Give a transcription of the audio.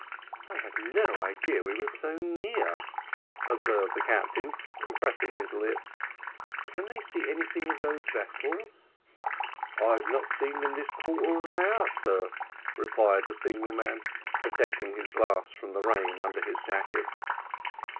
"I had no idea we were so near," observed the captain, compressing his lips "can they see anything of those vessels?" "I have not seen them this quarter of an hour, sir," replied the signalman, protecting his glass from the rain under his jacket.